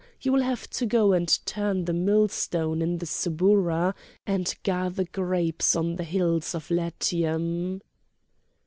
you will have to go and turn the mill stone in the Suburra, and gather grapes on the hills of Latium."